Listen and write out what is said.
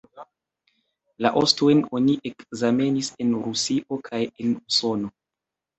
La ostojn oni ekzamenis en Rusio kaj en Usono.